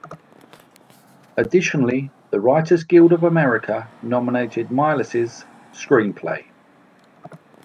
Additionally, the Writers Guild of America nominated Milius' screenplay.